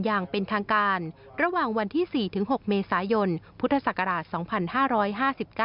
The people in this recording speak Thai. อย่างเป็นทางการระหว่างวันที่๔๖เมษายนพุทธศักราช๒๕๕๙